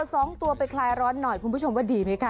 สองตัวไปคลายร้อนหน่อยคุณผู้ชมว่าดีไหมคะ